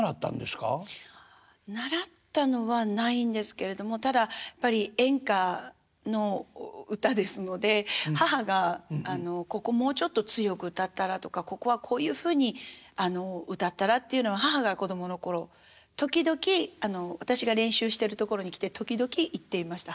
習ったのはないんですけれどもただやっぱり演歌の歌ですので母が「ここもうちょっと強く歌ったら？」とか「ここはこういうふうに歌ったら？」っていうのは母が子供の頃時々私が練習しているところに来て時々言っていました母が。